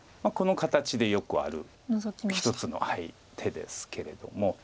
この形でよくある一つの手ですけれども。